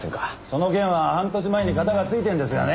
その件は半年前にカタがついてるんですがね。